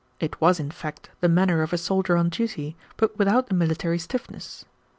It was, in fact, the manner of a soldier on duty, but without the military stiffness.